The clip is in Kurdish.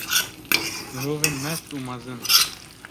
Mirovên mest û mezin!